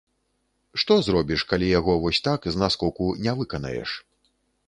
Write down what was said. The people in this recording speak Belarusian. Што зробіш, калі яго вось так, з наскоку, не выканаеш.